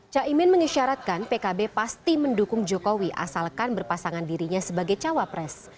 caimin mengisyaratkan pkb pasti mendukung jokowi asalkan berpasangan dirinya sebagai cawapres